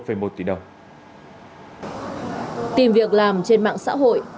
tìm việc làm trên mạng xã hội